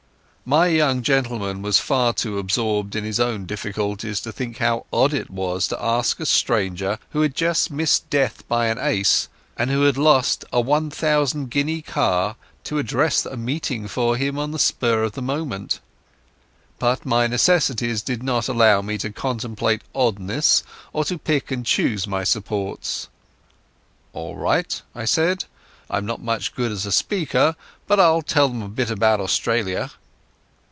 My young gentleman was far too absorbed in his own difficulties to think how odd it was to ask a stranger who had just missed death by an ace and had lost a 1,000 guinea car to address a meeting for him on the spur of the moment. But my necessities did not allow me to contemplate oddnesses or to pick and choose my supports. "All right," I said. "I'm not much good as a speaker, but I'll tell them a bit about Australia."